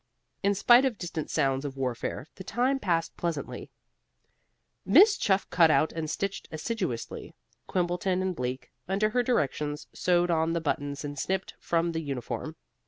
In spite of distant sounds of warfare, the time passed pleasantly enough. Miss Chuff cut out and stitched assiduously; Quimbleton and Bleak, under her directions, sewed on the buttons snipped from the uniform.